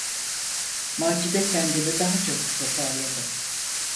Macide kendini daha çabuk toparladı.